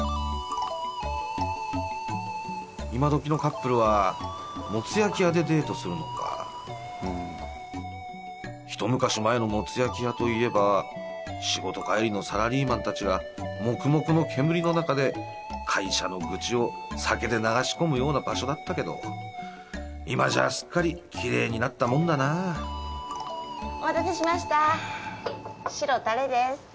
今どきのカップルはもつ焼き屋でデートするのかひと昔前のもつ焼き屋といえば仕事帰りのサラリーマン達がモクモクの煙の中で会社の愚痴を酒で流し込むような場所だったけど今じゃすっかりキレイになったもんだなお待たせしましたシロたれです